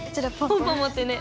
ポンポンもってね。